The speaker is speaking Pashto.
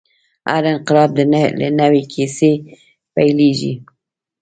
هر انقلاب له نوې کیسې پیلېږي.